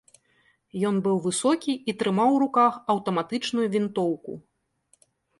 Ён быў высокі і трымаў у руках аўтаматычную вінтоўку.